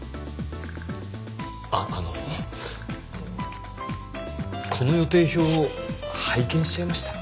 あのこの予定表を拝見しちゃいました。